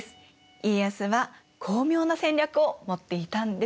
家康は巧妙な戦略を持っていたんですよね？